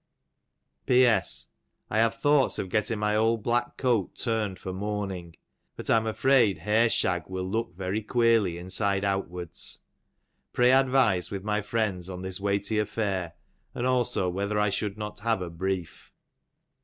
P. S. I have thoughts of getting my old black coat tm'ned for mourning, but I'm afraid hair shag wUl look very queerly inside outwards. Pray advise with my friends on this weighty affair, and also whether I should not have a brief?"